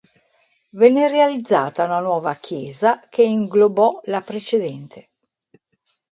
Venne realizzata una nuova chiesa che inglobò la precedente.